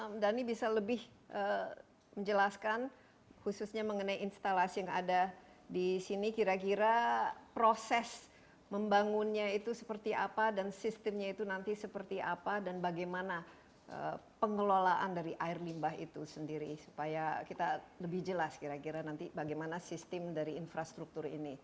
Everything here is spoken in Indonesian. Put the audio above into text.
mungkin pak dhani bisa lebih menjelaskan khususnya mengenai instalasi yang ada di sini kira kira proses membangunnya itu seperti apa dan sistemnya itu nanti seperti apa dan bagaimana pengelolaan dari air limbah itu sendiri supaya kita lebih jelas kira kira nanti bagaimana sistem dari infrastruktur ini bekerja